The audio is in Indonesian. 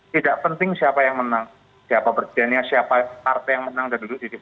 tidak penting siapa yang menang siapa berjaya siapa partai yang menang dan dll